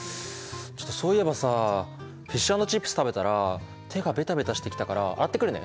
そういえばさフィッシュ＆チップス食べたら手がベタベタしてきたから洗ってくるね。